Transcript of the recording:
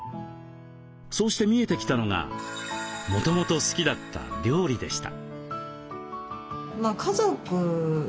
そうして見えてきたのがもともと好きだった料理でした。